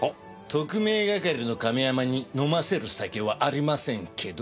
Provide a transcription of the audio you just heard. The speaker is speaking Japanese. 特命係の亀山に飲ませる酒はありませんけど？